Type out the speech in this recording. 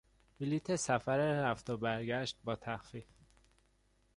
بلیط سفر رفت و برگشت با تخفیف